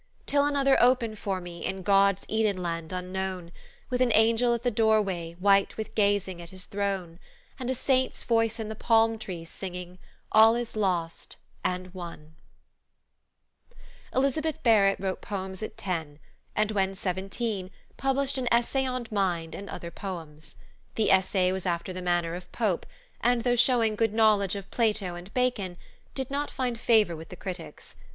"Till another open for me In God's Eden land unknown, With an angel at the doorway, White with gazing at His throne, And a saint's voice in the palm trees, singing, 'All is lost ... and won!'" Elizabeth Barrett wrote poems at ten, and when seventeen, published an Essay on Mind, and Other Poems. The essay was after the manner of Pope, and though showing good knowledge of Plato and Bacon, did not find favor with the critics.